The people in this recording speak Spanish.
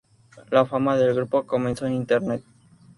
La fama del grupo, comenzó en internet.